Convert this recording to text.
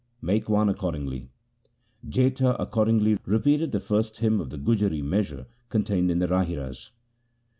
Make one accordingly.' Jetha accordingly repeated the first hymn of the Gujari measure contained in the Rahiras.